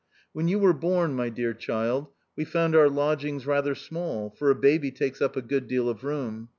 When you were born, my dear child, we found our lodgings rather small, for a baby takes up a good deal of room.